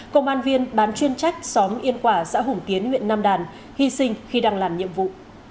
công an viên bán chuyên trách xóm yên quả xã hùng tiến nguyện nam đàn hy sinh khi đang làm nhiệm vụ